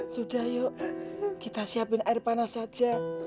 sudah yuk kita siapin air panas saja